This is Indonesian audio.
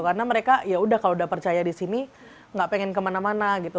karena mereka yaudah kalau udah percaya disini gak pengen kemana mana gitu